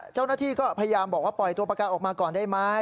เจ้าหน้าที่ก็พยายามบอกว่าปล่อยตัวประกันออกมาก่อนได้ไหม